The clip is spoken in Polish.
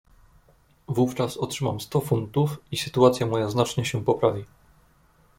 "Wówczas otrzymam sto funtów i sytuacja moja znacznie się poprawi."